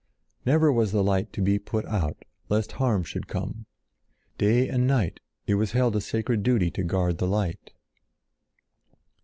Never was the light to be put out, lest harm should come. Day and night it was held a sacred duty to guard the light.